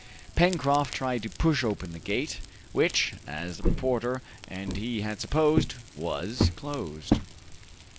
Pencroft tried to push open the gate, which, as the reporter and he had supposed, was closed.